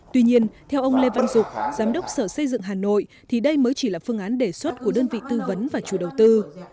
tuy nhiên theo ông lê văn dục giám đốc sở xây dựng hà nội thì đây mới chỉ là phương án đề xuất của đơn vị tư vấn và chủ đầu tư